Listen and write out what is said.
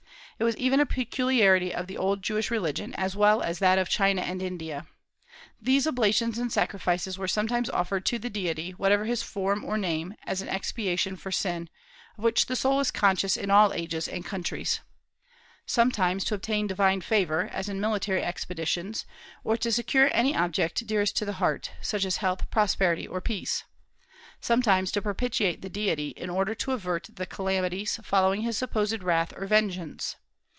It was even a peculiarity of the old Jewish religion, as well as that of China and India. These oblations and sacrifices were sometimes offered to the deity, whatever his form or name, as an expiation for sin, of which the soul is conscious in all ages and countries; sometimes to obtain divine favor, as in military expeditions, or to secure any object dearest to the heart, such as health, prosperity, or peace; sometimes to propitiate the deity in order to avert the calamities following his supposed wrath or vengeance.